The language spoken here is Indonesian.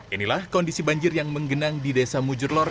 inilah kondisi banjir yang menggenang di desa mujurlor